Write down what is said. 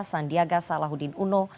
sandiaga salahuddin uno